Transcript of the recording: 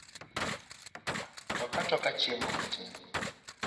Tok atoka chiemo matin